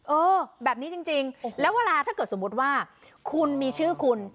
เออแบบนี้จริงแล้วเวลาถ้าเกิดสมมุติว่าคุณมีชื่อคุณ